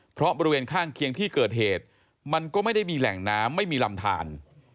เพราะบริเวณข้างเคียงที่เกิดเหตุมันก็ไม่ได้มีแหล่งน้ำไม่มีลำทาน